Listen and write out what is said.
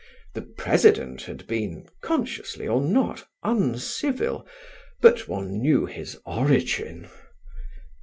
The President had been, consciously or not, uncivil, but one knew his origin!